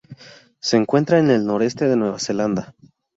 Se encuentra en el noreste de Nueva Zelanda.